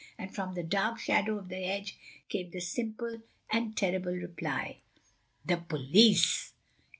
And from the dark shadow of the hedge came the simple and terrible reply: "The police!"